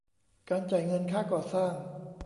การจ่ายเงินค่าก่อสร้าง